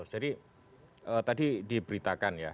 jadi tadi diberitakan ya